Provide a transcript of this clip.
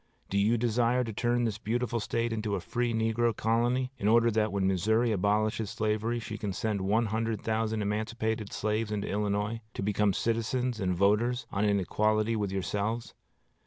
Do you desire to turn this beautiful State into a free negro colony, in order that when Missouri abolishes slavery she can send one hundred thousand emancipated slaves into Illinois, to become citizens and voters, on an equality with yourselves?